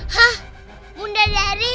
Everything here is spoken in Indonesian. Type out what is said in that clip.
hah bunda dari